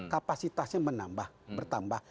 kapasitasnya menambah bertambah